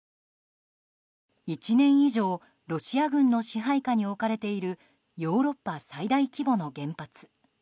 １年以上ロシア軍の支配下に置かれているヨーロッパ最大規模の原発。